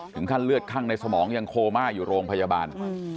ถึงขั้นเลือดคั่งในสมองยังโคม่าอยู่โรงพยาบาล